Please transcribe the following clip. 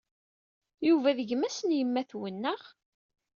Yuba d gma-s n yemma-twen, naɣ?